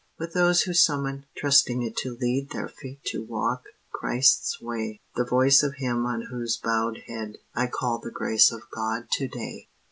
With those who summon trusting it to lead Their feet to walk Christ's way The voice of him on whose bowed head, I call The grace of God to day.